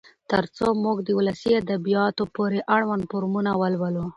تر څو موږ د ولسي ادبياتو پورې اړوند فورمونه ولولو.